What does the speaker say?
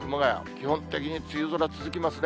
基本的に梅雨空続きますね。